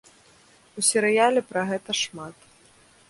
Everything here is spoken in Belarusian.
У серыяле пра гэта шмат.